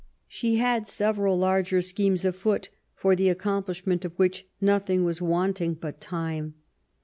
She had several larger schemes afoot^ for the accomplishment of which nothing was wanting but time.